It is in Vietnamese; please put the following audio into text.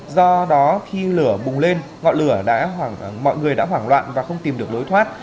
do đó khi lửa bùng lên ngọn lửa đã mọi người đã hoảng loạn và không tìm được lối thoát